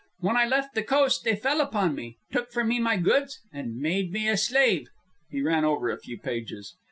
When I left the coast they fell upon me, took from me my goods, and made me a slave_.'" He ran over a few pages.